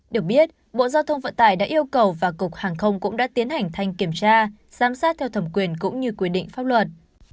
được biết bộ giao thông vận tải đã yêu cầu và cục hàng không cũng đã tiến hành thanh kiểm tra giám sát theo thẩm quyền cũng như quy định pháp luật